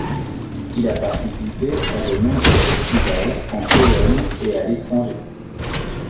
Il a participé à de nombreux festivals en Pologne et à l’étranger.